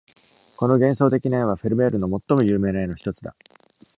この幻想的な絵はフェルメールの最も有名な絵の一つだ。